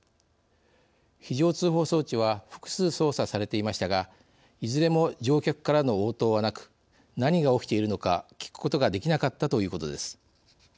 非常通報装置は複数操作されていましたがいずれも乗客からの応答はなく何が起きているのか聞くことができなかったということです。